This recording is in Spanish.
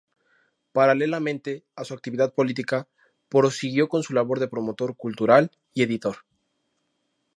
Paralelamente a su actividad política, prosiguió con su labor de promotor cultural y editor.